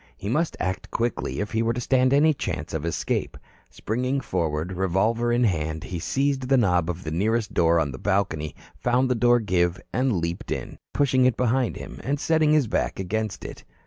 He must act quickly, if he were to stand any chance of escape. Springing forward, revolver in hand, he seized the knob of the nearest door on the balcony, found the door give and leaped in, pushing it to behind him and setting his back against it.